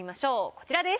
こちらです。